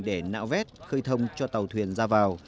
để nạo vét khơi thông cho tàu thuyền ra vào